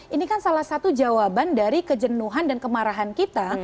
ini kan salah satu jawaban dari kejenuhan dan kemarahan kita